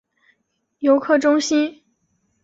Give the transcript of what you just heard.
游客中心